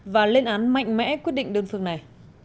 và lên án mạnh mẽ quyết định đơn phương này